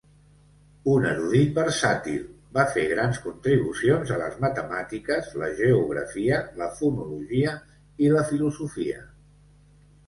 Un erudit versàtil, va fer grans contribucions a les matemàtiques, la geografia, la fonologia i la filosofia.